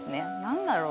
何だろう？